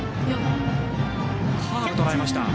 カーブをとらえました。